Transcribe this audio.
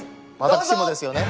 私もですね。